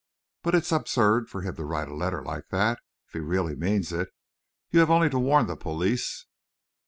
"But it's absurd for him to write a letter like that, if he really means it. You have only to warn the police...."